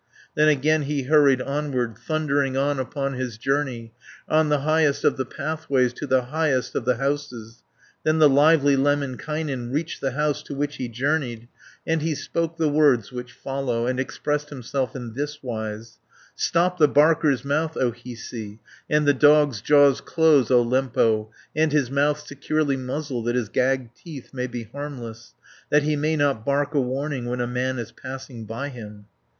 Then again he hurried onward, Thundering on upon his journey, On the highest of the pathways, To the highest of the houses. Then the lively Lemminkainen Reached the house to which he journeyed, 370 And he spoke the words which follow, And expressed himself in thiswise: "Stop the barker's mouth, O Hiisi, And the dog's jaws close, O Lempo, And his mouth securely muzzle, That his gagged teeth may be harmless, That he may not bark a warning When a man is passing by him."